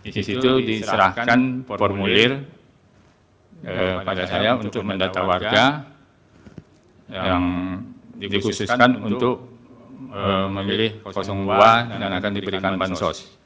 di situ diserahkan formulir pada saya untuk mendata warga yang dikhususkan untuk memilih dua dan akan diberikan bansos